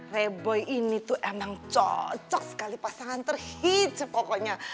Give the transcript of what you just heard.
reboy ini tuh emang cocok sekali pasangan terhitu pokoknya